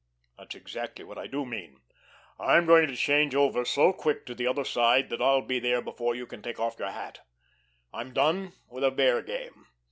That's exactly what I do mean. I'm going to change over so quick to the other side that I'll be there before you can take off your hat. I'm done with a Bear game.